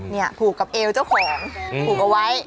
ผูกกับเอวเจ้าของผูกเอาไว้